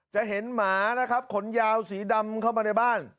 จะเห็นหมานะครับขนยาวสีดำเข้ามาในบ้าน